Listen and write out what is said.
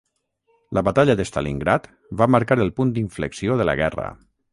La batalla de Stalingrad va marcar el punt d'inflexió de la guerra.